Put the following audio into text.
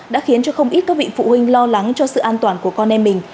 đã khiến cho không ít các vị phụ huynh lo lắng cho sự an toàn của con em mình